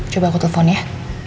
coba aku telepon ya